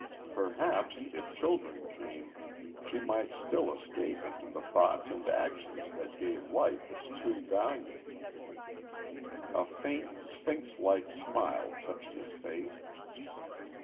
Perhaps, if children came, she might still escape into the thoughts and actions that give life its true value. A faint, sphinxlike smile touched his face.